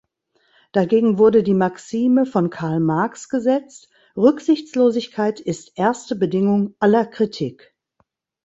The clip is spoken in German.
Dagegen wurde die Maxime von Karl Marx gesetzt: „Rücksichtslosigkeit ist erste Bedingung aller Kritik“.